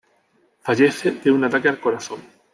Fallece de un ataque al corazón.